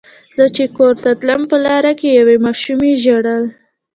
زه چې کور ته تلم په لاره کې یوې ماشومې ژړل.